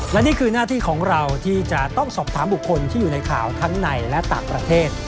และนี่คือหน้าที่ของเราที่จะต้องสอบถามบุคคลที่อยู่ในข่าวทั้งในและต่างประเทศ